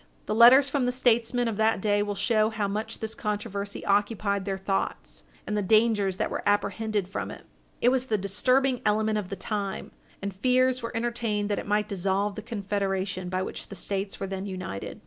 The letters from the statesmen of that day will show how much this controversy occupied their thoughts, and the dangers that were apprehended from it. It was the disturbing element of the time, and fears were entertained that it might dissolve the Confederation by which the States were then united.